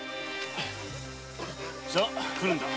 さ来るんだ。